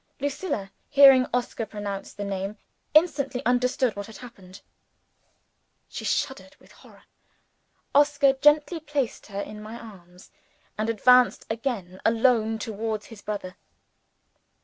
Lucilla, hearing Oscar pronounce the name, instantly understood what had happened. She shuddered with horror. Oscar gently placed her in my arms, and advanced again alone towards his brother.